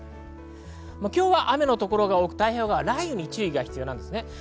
今日は雨の所が多く、太平洋側は雷雨に注意が必要です。